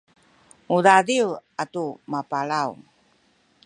mudadiw atu mapalaw